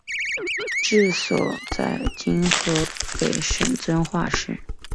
治所在今河北省遵化市。